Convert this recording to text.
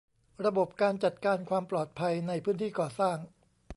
ระบบการจัดการความปลอดภัยในพื้นที่ก่อสร้าง